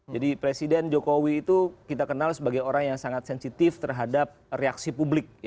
jadi presiden jokowi itu kita kenal sebagai orang yang sangat sensitif terhadap reaksi publik